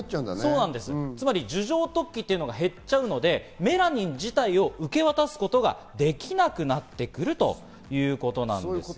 樹状突起というのが減っちゃうので、メラニン自体を受け渡すことができなくなってくるということなんです。